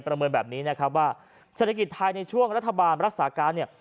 เมินแบบนี้นะครับว่าเศรษฐกิจไทยในช่วงรัฐบาลรักษาการเนี่ย